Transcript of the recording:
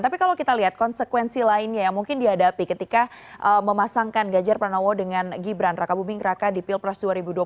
tapi kalau kita lihat konsekuensi lainnya yang mungkin dihadapi ketika memasangkan ganjar pranowo dengan gibran raka buming raka di pilpres dua ribu dua puluh